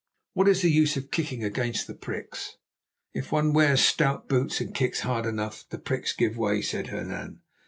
What is the use of kicking against the pricks?' "'If one wears stout boots and kicks hard enough, the pricks give way,' said Hernan.